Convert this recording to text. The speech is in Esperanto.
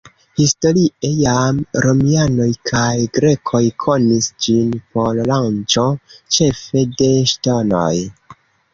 Historie jam romianoj kaj grekoj konis ĝin por lanĉo ĉefe de ŝtonoj.